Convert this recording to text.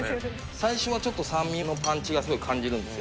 最初はちょっと酸味のパンチがすごい感じるんですよ